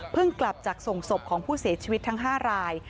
กลับจากส่งศพของผู้เสียชีวิตทั้ง๕ราย